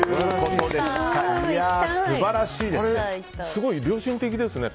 素晴らしいですね。